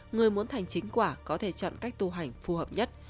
người muốn thành chính quả có thể chọn cách tu hành phù hợp nhất